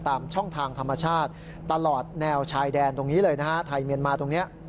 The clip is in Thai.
ตามช่องทางธรรมชาติตลอดแนวชายแดนไทยเมนมาตรงนี้